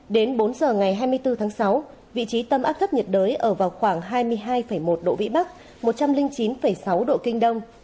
đến bốn giờ ngày hai mươi bốn tháng sáu vị trí tâm áp thấp nhiệt đới ở vào khoảng hai mươi hai một độ vĩ bắc một trăm linh chín sáu độ kinh đông